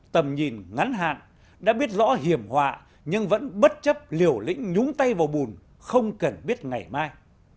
tầm nhìn ngắn hạn đã biết rõ hiểm họa nhưng vẫn bất chấp liều lĩnh nhúng tay vào bùn không cần biết ngày mai